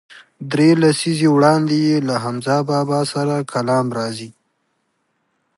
درې لسیزې وړاندې یې له حمزه بابا سره کلام راځي.